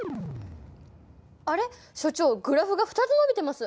あれ所長グラフが２つ伸びてます。